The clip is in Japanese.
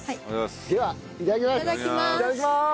ではいただきます。